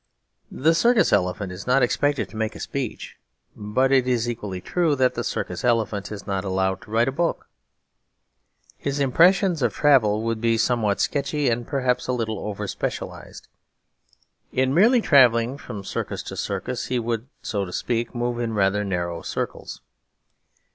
The circus elephant is not expected to make a speech. But it is equally true that the circus elephant is not allowed to write a book. His impressions of travel would be somewhat sketchy and perhaps a little over specialised. In merely travelling from circus to circus he would, so to speak, move in rather narrow circles.